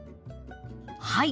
はい！